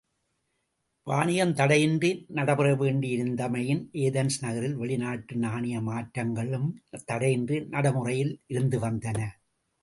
வாணிகம் தடையின்றி நடைபெற வேண்டி இருந்தமையின், ஏதென்ஸ் நகரில் வெளிநாட்டு நாணய மாற்றங்களும் தடையின்றி நடைமுறையில் இருந்து வந்தன.